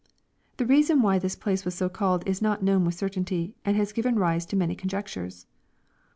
] The reason why this place was so called is not known with certainty, and has given rise to many conjectures.